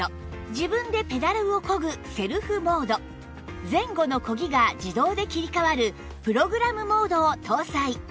自分でペダルをこぐセルフモード前後のこぎが自動で切り替わるプログラムモードを搭載